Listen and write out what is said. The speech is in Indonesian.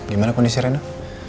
gimana kondisi rena